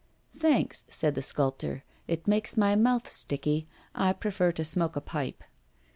'Thanks,' said the sculptor, 'it makes my mouth sticky. I prefer to smoke a pipe.